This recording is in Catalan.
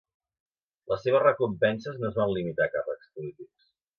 Les seves recompenses no es van limitar a càrrecs polítics.